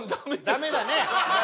ダメだね。